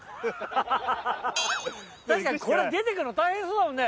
ハハ！かにこれ出て行くの大変そうだもんね。